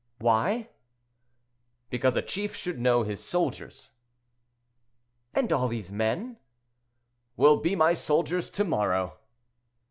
"Why?" "Because a chief should know his soldiers." "And all these men—" "Will be my soldiers to morrow."